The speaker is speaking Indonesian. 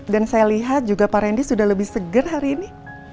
dan saya lihat juga pak randy sudah lebih segar hari ini